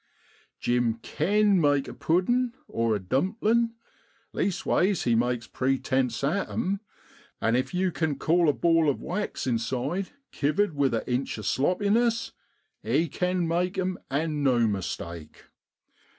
Jim ken make a puddin' or a dumplin' leastways he makes pretence at 'em, an' if you ken call a ball of wax inside, kivered with a inch of sloppiness, he ken make 'em, an' no mistake.